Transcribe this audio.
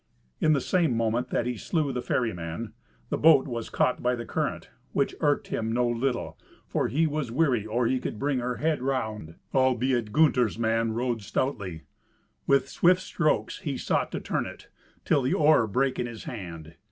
In the same moment that he slew the ferryman, the boat was caught by the current, which irked him no little, for he was weary or he could bring her head round, albeit Gunther's man rowed stoutly. With swift strokes he sought to turn it, till the oar brake in his hand.